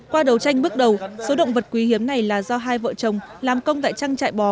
qua đầu tranh bước đầu số động vật quý hiếm này là do hai vợ chồng làm công tại trang trại bò